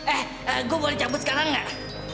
eh gue boleh cabut sekarang nggak